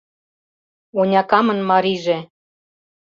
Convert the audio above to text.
Онякамын марийже...